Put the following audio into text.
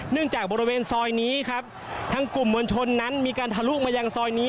จากบริเวณซอยนี้ครับทั้งกลุ่มมวลชนนั้นมีการทะลุมายังซอยนี้